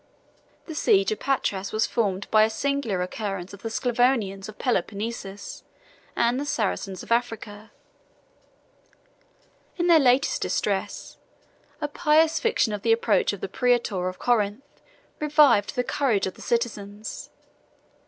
The siege of Patras was formed by a singular concurrence of the Sclavonians of Peloponnesus and the Saracens of Africa. In their last distress, a pious fiction of the approach of the praetor of Corinth revived the courage of the citizens.